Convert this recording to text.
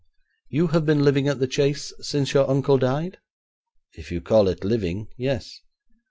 'You have been living at the Chase since your uncle died?' 'If you call it living, yes.